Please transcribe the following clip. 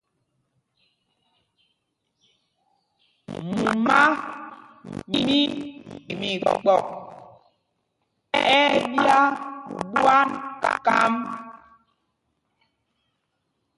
Mumá mí Mikpɔk ɛ́ ɛ́ ɓyá ɓwân kám.